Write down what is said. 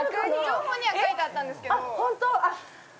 情報には書いてあったんですけどあっホント！？